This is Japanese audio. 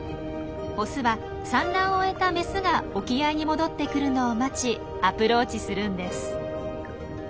オスは産卵を終えたメスが沖合に戻ってくるのを待ちアプローチするんです。